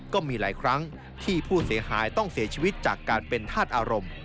ก็มีหลายครั้งที่ผู้เสียหายต้องเสียชีวิตจากการเป็นธาตุอารมณ์